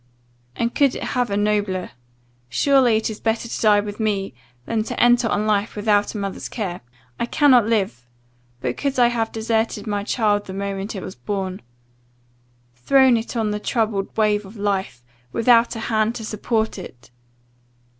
'And could it have a nobler? Surely it is better to die with me, than to enter on life without a mother's care! I cannot live! but could I have deserted my child the moment it was born? thrown it on the troubled wave of life, without a hand to support it?